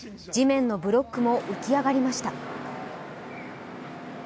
地面のブロックも浮き上がりました。